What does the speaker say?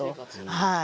はい。